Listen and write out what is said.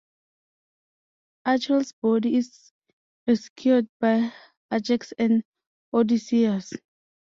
Achilles' body is rescued by Ajax and Odysseus.